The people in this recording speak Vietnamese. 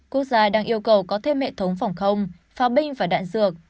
quốc gia đang yêu cầu có thêm hệ thống phòng không pháo binh và đạn dược